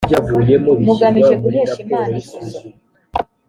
mugamije guhesha imana ikuzo